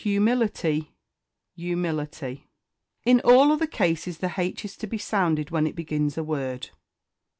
Humility, 'Umility. _In all other cases the H is to be sounded when it begins a word.